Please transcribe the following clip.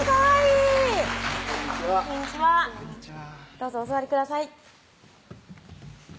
どうぞお座りください